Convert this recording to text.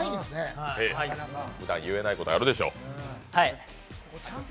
ふだん言えないことあるでしょう。